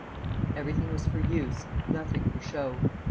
Everything was for use; nothing for show.